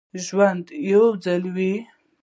ژوند یو ځل وي